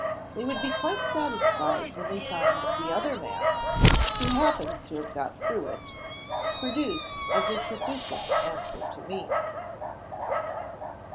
They would be quite satisfied when they found the other man (who happens to have got through it) produced as a sufficient answer to me."